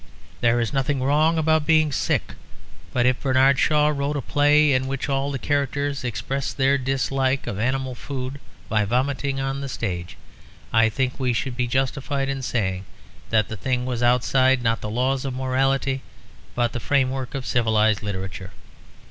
There is nothing wrong about being sick; but if Bernard Shaw wrote a play in which all the characters expressed their dislike of animal food by vomiting on the stage, I think we should be justified in saying that the thing was outside, not the laws of morality, but the framework of civilised literature.